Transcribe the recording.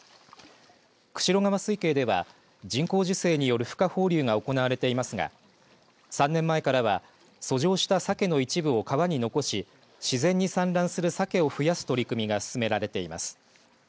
釧路川水系では人工授精によるふ化放流が行われていますが３年前からは遡上したさけの一部を川に残し自然に産卵するさけを増やす取り組みが進められています。